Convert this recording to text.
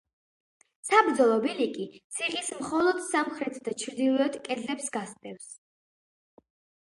საბრძოლო ბილიკი ციხის მხოლოდ სამხრეთ და ჩრდილოეთ კედლებს გასდევს.